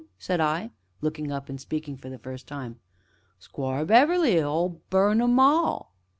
said I, looking up, and speaking for the first time. "Squire Beverley o' Burn'am 'All."